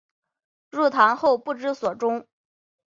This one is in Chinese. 入唐后不知所终。